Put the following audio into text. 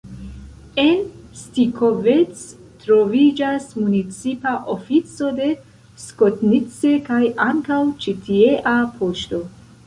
En Stikovec troviĝas municipa ofico de Skotnice kaj ankaŭ ĉi tiea poŝto.